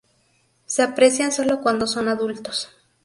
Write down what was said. Se aprecian solo cuando son adultos.